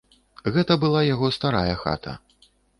Гэта была яго старая хата.